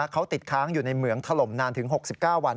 เขาติดค้างอยู่ในเหมืองถล่มนานถึง๖๙วัน